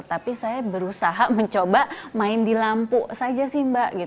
tapi saya berusaha mencoba main di lampu saja sih mbak